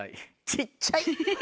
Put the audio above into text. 小っちゃい！